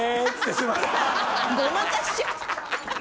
ごまかしちゃって！